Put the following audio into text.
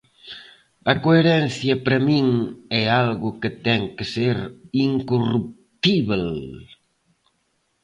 A coherencia para min é algo que ten que ser incorruptíbel.